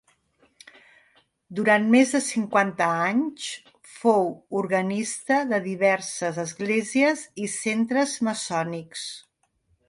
Durant més de cinquanta anys fou organista de diverses esglésies i centres maçònics.